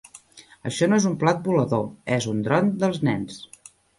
Això no és un plat volador, és un dron dels nens.